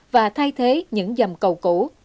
và thay thế những dầm cầu cũ